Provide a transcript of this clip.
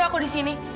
kenapa aku disini